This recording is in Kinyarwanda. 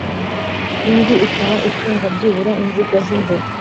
indi ikaba ifunga byibura inziga z'imbere.